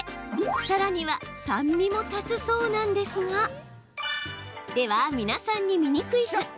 さらには酸味も足すそうなんですがでは、皆さんにミニクイズ。